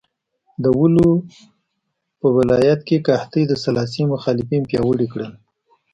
د ولو په ولایت کې قحطۍ د سلاسي مخالفین پیاوړي کړل.